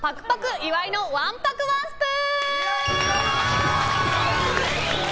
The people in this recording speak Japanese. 岩井のわんぱくワンスプーン！